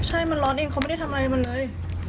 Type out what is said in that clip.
ใช่มันร้อนเองเขาไม่ได้ทำอะไรมันเลย